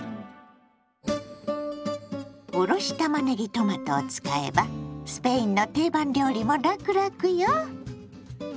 おろしたまねぎトマトを使えばスペインの定番料理もラクラクよ！